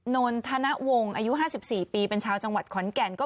นนทนะวงอายุห้าสิบสี่ปีเป็นชาวจังหวัดขอนแกนก็